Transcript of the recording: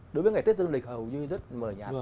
đối với ngày tết dương lịch hầu như rất mờ nhạt